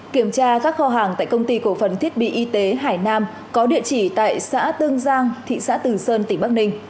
kiểm tra các kho hàng tại công ty cổ phần thiết bị y tế hải nam có địa chỉ tại xã tương giang thị xã từ sơn tỉnh bắc ninh